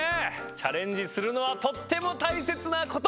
チャレンジするのはとってもたいせつなこと！